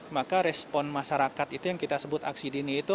maka respon masyarakat itu yang kita sebut aksi dini itu